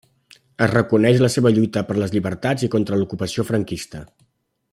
Es reconeix la seva lluita per les llibertats i contra l'ocupació franquista.